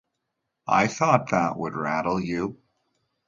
I thought that would rattle you.